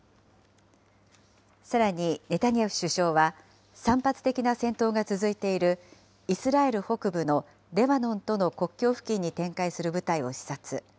さらにネタニヤフ首相は、散発的な戦闘が続いているイスラエル北部のレバノンとの国境付近に展開する部隊を視察。